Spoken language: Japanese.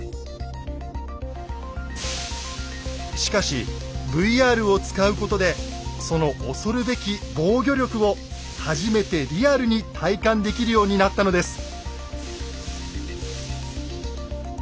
しかしＶＲを使うことでその恐るべき防御力を初めてリアルに体感できるようになったのです。